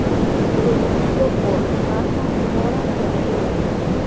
Producido por: Maja, Nora y Arturo.